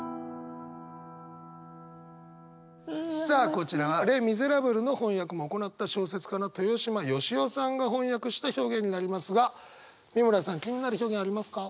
こちらは「レ・ミゼラブル」の翻訳も行った小説家の豊島与志雄さんが翻訳した表現になりますが美村さん気になる表現ありますか？